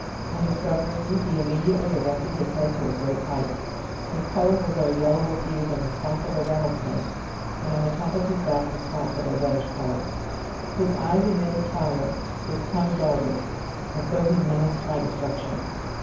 On discovering me, he imme diately erected his head to a great height; his color was of a yellower hue than the spots of a rattle snake; and on the top of his back were spots of a redish color. His eyes emitted 5re, his tongue darted, as though he menaced my destruc tion.